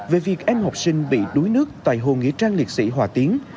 về việc em học sinh bị đuối nước tại hồ nghĩa trang liệt sĩ hòa tiến